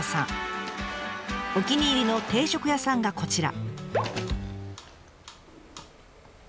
お気に入りの定食屋さんがこちら。